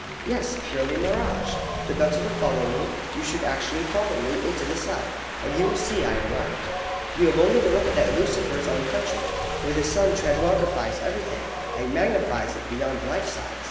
Yes, purely mirage! The better to follow me, you should actually follow me into the South, and you will see I am right. You have only to look at that Lucifer's own country, where the sun transmogrifies everything, and magnifies it beyond life size.